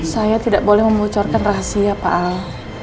saya tidak boleh membocorkan rahasia pak al